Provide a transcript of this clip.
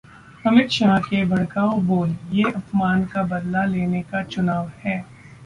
अमित शाह के भड़काऊ बोल- ये अपमान का बदला लेने का चुनाव है